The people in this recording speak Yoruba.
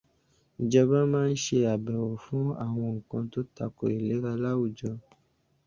Ìjọba máa ṣe àbẹ̀wò fún àwọn nǹkan tó tako ìlera láwùjọ.